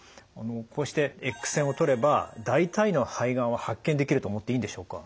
こうしてエックス線を撮れば大体の肺がんは発見できると思っていいんでしょうか？